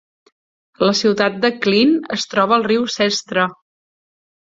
La ciutat de Klin es troba al riu Sestra.